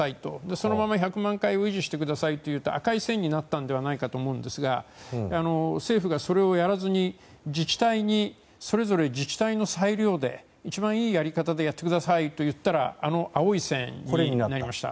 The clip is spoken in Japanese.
そのまま１００万回を維持してくださいというと赤い線になったのではないかと思うんですが政府がそれをやらずに自治体に、それぞれ自治体の裁量で一番いいやり方でやってくださいと言ったら青い線になりました。